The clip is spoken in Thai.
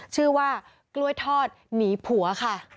ชื่อว่ากล้วยทอดหนีผัวค่ะ